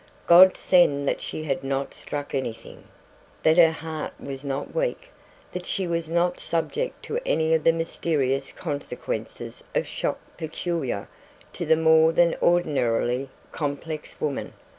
God send that she had not struck anything that her heart was not weak that she was not subject to any of the mysterious consequences of shock peculiar to the more than ordinarily complex women!